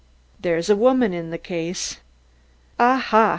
"There's a woman in the case." "Aha!